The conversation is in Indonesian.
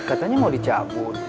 katanya mau dicabut